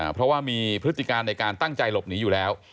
เพราะว่ามีพฤติการในการตั้งใจหลบหนีอยู่แล้ว